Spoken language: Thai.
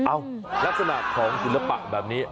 ลักษณะของศิลปะแบบนี้